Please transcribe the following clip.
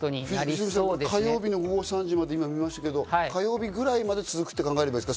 火曜日の午後３時まで見ましたけど、火曜日くらいまで続くと考えていますか？